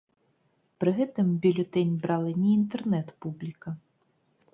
Пры гэтым бюлетэнь брала не інтэрнэт-публіка.